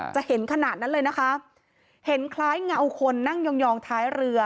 จะเห็นขนาดนั้นเลยนะคะเห็นคล้ายเงาคนนั่งยองท้ายเรือ